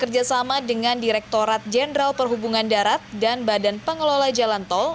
jenderal perhubungan darat dan badan pengelola jalan tol